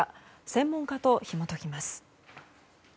専門家とひも解きます。